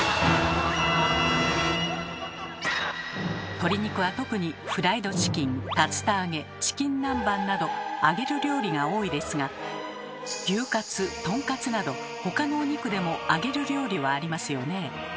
鶏肉は特にフライドチキン竜田揚げチキン南蛮など揚げる料理が多いですが牛カツとんかつなど他のお肉でも揚げる料理はありますよね。